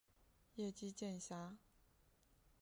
叶基渐狭。